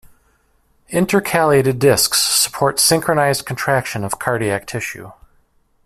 Intercalated discs support synchronized contraction of cardiac tissue.